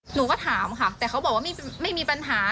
หนูก็ถามค่ะแต่เขาบอกว่าไม่มีปัญหา